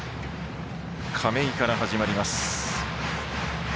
亀井から始まります。